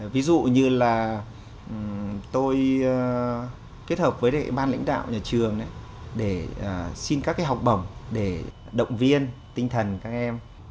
ví dụ như là tôi kết hợp với ban lãnh đạo nhà trường để xin các cái học bổng để động viên tinh thần các em